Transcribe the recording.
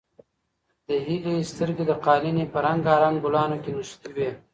د هیلې سترګې د قالینې په رنګارنګ ګلانو کې نښتې وې.